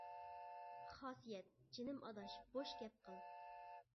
-خاسىيەت، جىنىم ئاداش، بوش گەپ قىل.